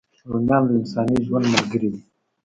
رومیان د انساني ژوند ملګري دي